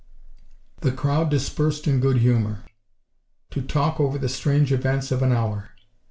The crowd dispersed in good humor, to talk over the strange events of an hour.